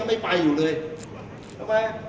ฮอร์โมนถูกต้องไหม